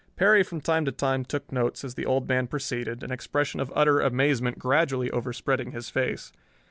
Perry from time to time took notes, as the old man proceeded, an expression of utter amazement gradually overspreading his face.